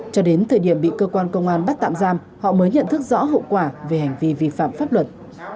cho đến thời điểm bị cơ quan công an bắt tạm giam họ mới nhận thức rõ hậu quả về hành vi vi phạm pháp luật